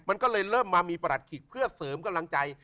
มันก็เลยเริ่มมามีประหลัดขิกเพื่อเสริมกำลังใจ